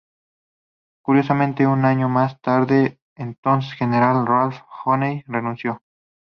Curiosamente, un año más tarde, el entonces general Ralph O'Neill renunció.